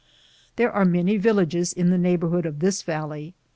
There are many villages in the neighborhood of this valley.